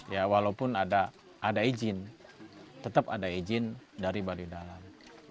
ya walaupun ada izin tetap ada izin dari baduidalam